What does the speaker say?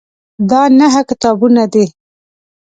دا نهه کتابونه دي.